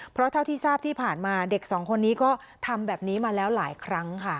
เพราะเท่าที่ทราบที่ผ่านมาเด็กสองคนนี้ก็ทำแบบนี้มาแล้วหลายครั้งค่ะ